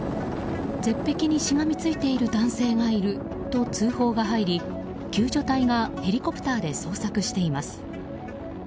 絶壁にしがみついている男性がいると通報が入り救助隊がヘリコプターで捜索しています。